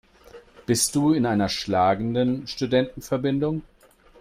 Bist du in einer schlagenden Studentenverbindung?